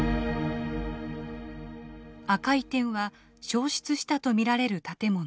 赤い点は焼失したと見られる建物。